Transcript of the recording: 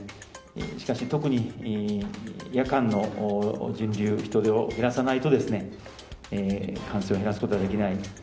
しかし、特に夜間の人流、人出を減らさないとですね、感染を減らすことはできない。